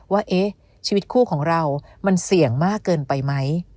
ว่าชีวิตคู่ของเรามันเสี่ยงมากเกินไปไหม